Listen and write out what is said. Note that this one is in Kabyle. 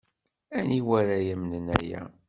Aniwa ara yamnen aya?